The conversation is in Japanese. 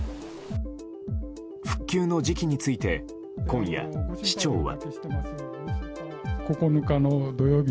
復旧の時期について今夜、市長は。